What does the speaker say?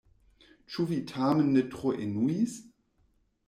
Ĉu vi tamen ne tro enuis?